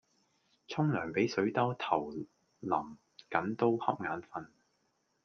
沖涼比水兜頭淋緊都恰眼瞓